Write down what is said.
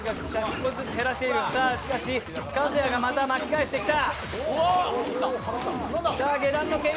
しかし、一八がまた巻き返してきた